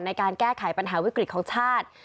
ในการแก้ไขปัญหาวิกฤตของชาติ